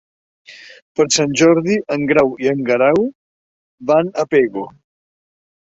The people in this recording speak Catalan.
Per Sant Jordi en Grau i en Guerau van a Pego.